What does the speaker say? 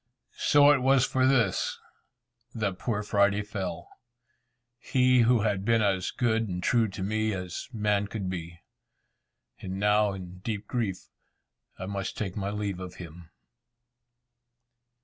So it was for this that poor Friday fell! He who had been as good and true to me as man could be! And now in deep grief I must take my leave of him.